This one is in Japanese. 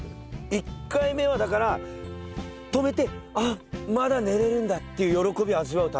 １回目はだから止めて「あっまだ寝れるんだ」っていう喜びを味わうための時間。